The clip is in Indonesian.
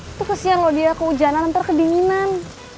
itu kesian loh dia kehujanan ntar kedinginan